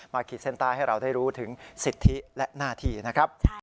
ขีดเส้นใต้ให้เราได้รู้ถึงสิทธิและหน้าที่นะครับ